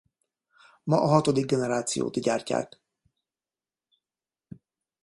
Ma a hatodik generációt gyártják.